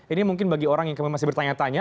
ini mungkin bagi orang yang masih bertanya tanya